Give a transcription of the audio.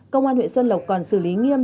công an huyện xuân lộc còn xử lý nghiêm